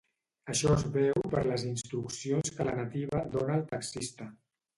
Això es veu per les instruccions que la nativa dóna al taxista.